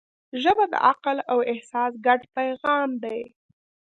ژبه د عقل او احساس ګډ پیغام دی